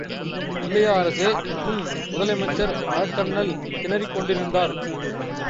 இல்லையா, அரசே? ம்! முதலமைச்சர் அழகண்ணல் திணறிக் கொண்டிருந்தார்.